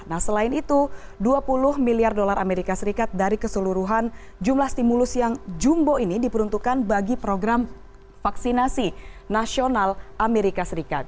nah selain itu dua puluh miliar dolar amerika serikat dari keseluruhan jumlah stimulus yang jumbo ini diperuntukkan bagi program vaksinasi nasional amerika serikat